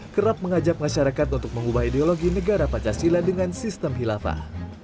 kerap mengajak masyarakat untuk mengubah ideologi negara pancasila dengan sistem hilafah